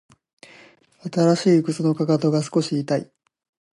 新しい靴のかかとが少し痛い